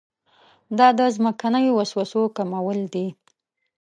دا د ځمکنیو وسوسو کمول دي.